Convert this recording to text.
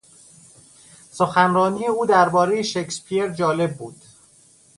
سخنرانی او دربارهی شکسپیر جالب بود.